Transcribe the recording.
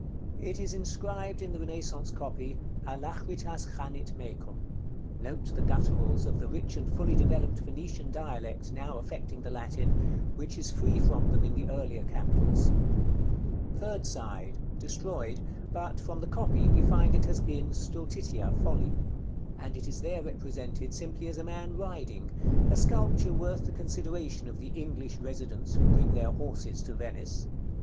It is inscribed in the Renaissance copy, "ALACHRITAS CHANIT MECUM." Note the gutturals of the rich and fully developed Venetian dialect now affecting the Latin, which is free from them in the earlier capitals. § XCVII. Third side. Destroyed; but, from the copy, we find it has been Stultitia, Folly; and it is there represented simply as a man riding, a sculpture worth the consideration of the English residents who bring their horses to Venice.